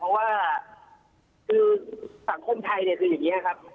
เพราะว่าคือสังคมไทยเนี่ยคืออย่างนี้ครับ